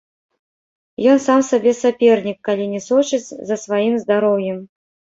Ён сам сабе сапернік, калі не сочыць за сваім здароўем.